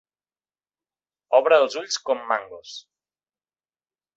Obre els ulls com mangos.